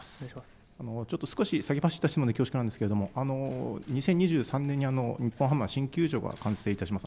少し先走った質問で恐縮なんですけれども、２０２３年に日本ハムが新球場が完成いたします。